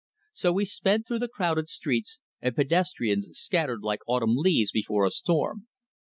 So we sped through the crowded streets, and pedestrians scattered like autumn leaves before a storm.